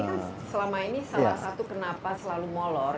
ini kan selama ini salah satu kenapa selalu molor